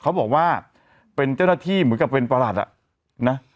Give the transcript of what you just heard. เขาบอกว่าเป็นเจ้าหน้าที่เหมือนกับเป็นประหลัดอ่ะนะ